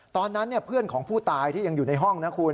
ตอนนั้นเพื่อนของผู้ตายที่ยังอยู่ในห้องนะคุณ